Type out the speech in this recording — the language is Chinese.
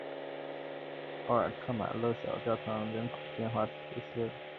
奥尔特马勒小教堂人口变化图示